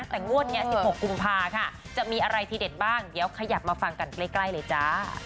แต่งวดนี้๑๖กุมภาค่ะจะมีอะไรทีเด็ดบ้างเดี๋ยวขยับมาฟังกันใกล้เลยจ้า